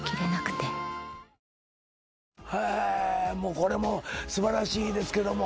これも素晴らしいですけども。